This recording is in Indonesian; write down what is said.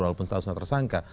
walaupun selalu tersangka